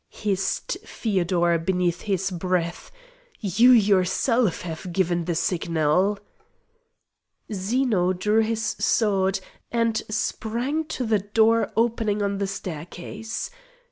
hissed Feodor beneath his breath; "you yourself have given the signal!" Zeno drew his sword and sprang to the door opening on the staircase.